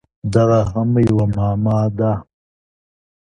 دغه هم یوه معما ده!